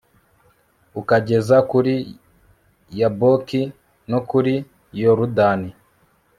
ukageza kuri yaboki no kuri yorudani